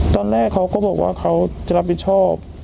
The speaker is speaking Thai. ตอนแรกเขาก็บอกว่าเขาจะรับผิดชอบ